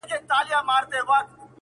• په هر موج کې سيلابونه -